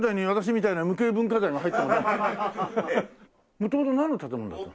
元々なんの建物だったの？